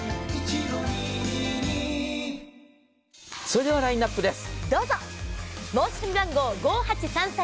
それではラインナップです。